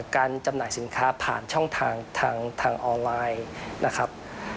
จำหน่ายสินค้าผ่านช่องทางทางออนไลน์นะครับ